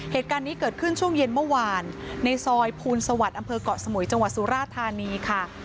เหตุการณ์นี้เกิดขึ้นช่วงเย็นเมื่อวานในซอยภูลสวัสดิ์อำเภอกเกาะสมุยจังหวัดสุราธานีค่ะ